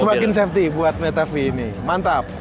semakin safety buat leta v dua ini mantap